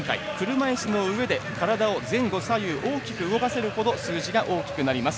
車いすの上で体を前後左右大きく動かせるほど数字が大きくなります。